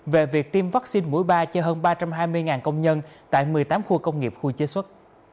về việc tiêm vaccine mũi ba cho hơn ba trăm hai mươi công nhân tại một mươi tám khu công nghiệp khu chế xuất